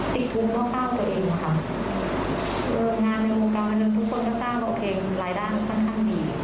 ทุกคนเขาสร้างและเคลงรายด้านปลอดภัยค่อนข้างดี